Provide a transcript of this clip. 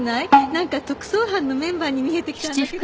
なんか特捜班のメンバーに見えてきたんだけど。